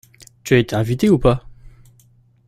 Tu as été invité ou pas ?